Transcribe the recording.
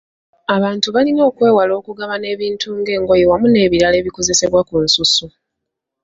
Abantu balina okwewala okugabana ebintu nga engoye wamu n'ebirala ebikozesebwa ku nsusu